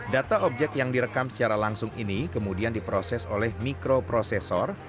data objek yang direkam secara langsung ini kemudian diproses oleh mikroprosesor